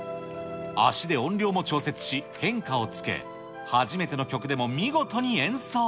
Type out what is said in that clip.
足で音量も調節し、変化をつけ、初めての曲でも見事に演奏。